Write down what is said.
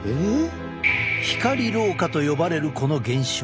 光老化と呼ばれるこの現象。